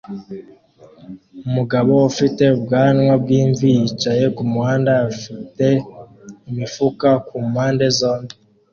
Umugabo ufite ubwanwa bwimvi yicaye kumuhanda afite imifuka kumpande zombi